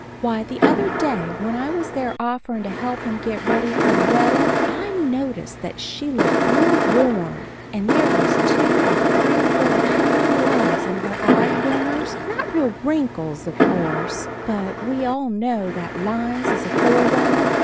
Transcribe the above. Why, the other day when I was there offerin' to help 'em get ready for the weddin' I noticed that she looked real worn, and there was two or three little fine lines in her eye corners not real wrinkles, of course but we all know that lines is a forerunner.